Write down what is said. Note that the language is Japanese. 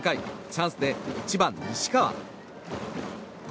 チャンスで１番、西川。